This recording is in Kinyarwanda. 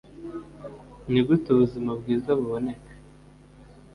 Ni gute ubuzima bwiza buboneka